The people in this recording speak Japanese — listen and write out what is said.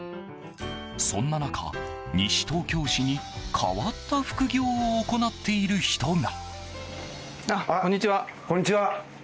そんな中、西東京市に変わった副業を行っている人が。